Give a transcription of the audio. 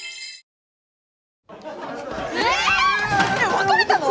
別れたの？